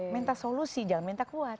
minta solusi jangan minta kuat